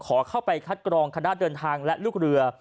ขอเข้าไปคัดกรองคณะเดินทางและลูกเรือ